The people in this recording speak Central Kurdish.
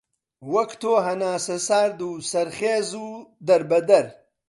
وەک تۆ هەناسەسەرد و سەحەرخێز و دەربەدەر